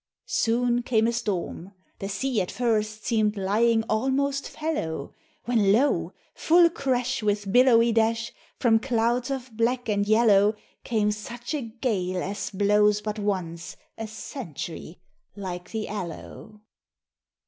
Soon came a storm the sea at first Seem'd lying almost fallow When lo! full crash, with billowy dash, From clouds of black and yellow, Came such a gale as blows but once A cent'ry, like the aloe!